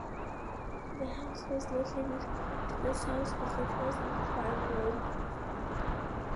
The house was located to the south of the present Cline Road.